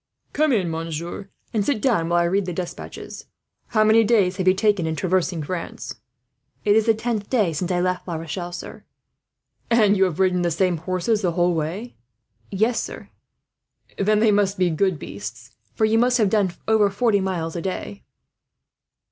"Come in, monsieur, and sit down, while I read the despatches. How many days have you taken in traversing France?" "It is the tenth day since I left La Rochelle, sir." "And have you ridden the same horses the whole way?" "Yes, sir." "Then they must be good beasts, for you must have done over forty miles a day."